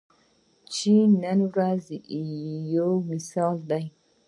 چین نن ورځ یو مثال دی.